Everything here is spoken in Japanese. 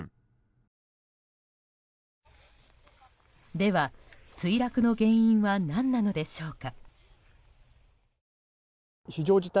では、墜落の原因は何なのでしょうか。